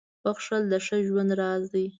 • بښل د ښه ژوند راز دی.